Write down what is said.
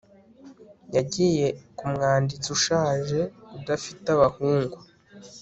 yagiye k'umwanditsi ushaje, udafite abahungu